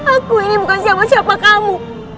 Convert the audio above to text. aku ini bukan siapa siapa kamu